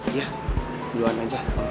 iya duluan aja